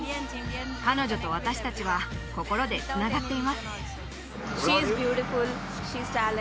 彼女と私達は心でつながっています